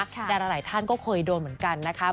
ดาราหลายท่านก็เคยโดนเหมือนกันนะคะ